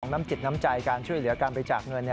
น้ำจิตน้ำใจการช่วยเหลือการบริจาคเงิน